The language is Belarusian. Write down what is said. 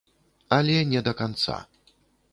Але не да канца.